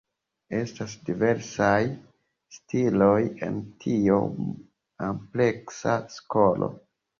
Estas diversaj stiloj en tiom ampleksa skolo.